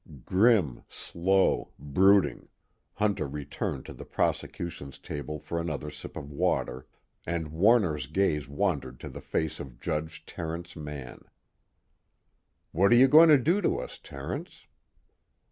Grim, slow, brooding, Hunter returned to the prosecution's table for another sip of water, and Warner's gaze wandered to the face of Judge Terence Mann. _What are you going to do to us, Terence?